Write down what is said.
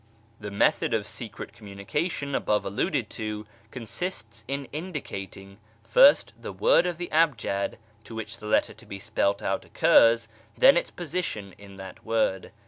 1492). The method of secret communication above alluded to con sists in indicating first the word of the ahj'ad in which the letter to be spelt out occurs, then its position in that word.